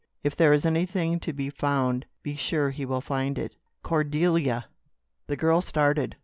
If there is anything to be found, be sure he will find it." "Cordelia!" The girl started.